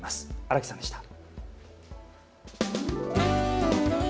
荒木さんでした。